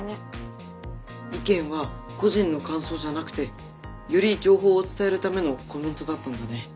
意見は個人の感想じゃなくてより情報を伝えるためのコメントだったんだね。